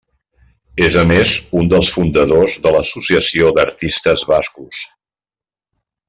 És a més un dels fundadors de l'Associació d'Artistes Bascos.